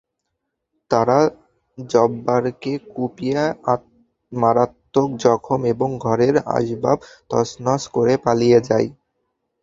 তারা জব্বারকে কুপিয়ে মারাত্মক জখম এবং ঘরের আসবাব তছনছ করে পালিয়ে যায়।